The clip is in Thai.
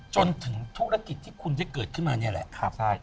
จนถึงธุรกิจที่คุณได้เกิดขึ้นมานี่แหละ